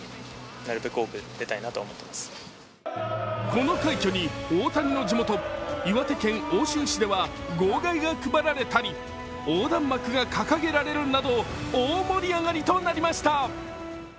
この快挙に大谷の地元岩手県奥州市では号外が配られたり横断幕が掲げられるなど大盛り上がりとなりました。